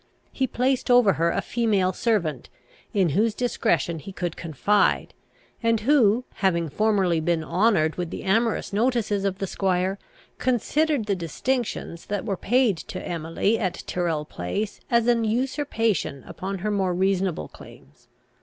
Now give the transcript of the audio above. He placed over her a female servant, in whose discretion he could confide, and who, having formerly been honoured with the amorous notices of the squire, considered the distinctions that were paid to Emily at Tyrrel Place as an usurpation upon her more reasonable claims.